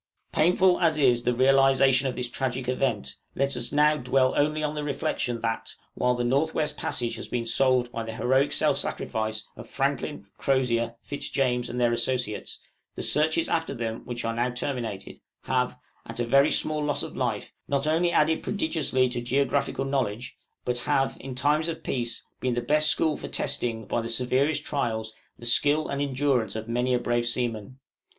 Painful as is the realisation of this tragic event, let us now dwell only on the reflection that, while the North West passage has been solved by the heroic self sacrifice of Franklin, Crozier, Fitzjames, and their associates, the searches after them which are now terminated, have, at a very small loss of life, not only added prodigiously to geographical knowledge, but have, in times of peace, been the best school for testing, by the severest trials, the skill and endurance of many a brave seaman.